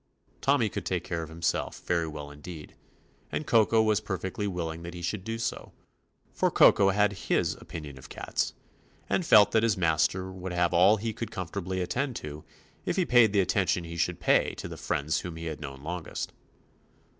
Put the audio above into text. Tommy could take care of himself very well indeed, and Koko was per 67 THE ADVENTURES OF fectly willing that he should do so, for Koko had his opinion of cats, and felt that his master would have all he could comfortably attend to if he paid the attention he should pay to the friends whom he had known longest.